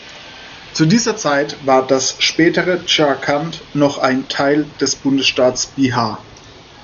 Zu dieser Zeit war das spätere Jharkhand noch ein Teil des Bundesstaats Bihar.